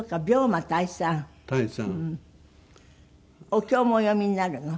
お経もお読みになるの？